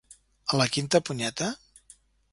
A la quinta punyeta?